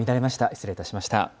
失礼いたしました。